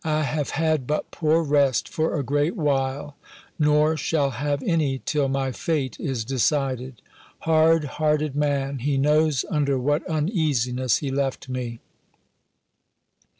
I have had but poor rest for a great while; nor shall have any till my fate is decided. Hard hearted man, he knows under what uneasiness he left me!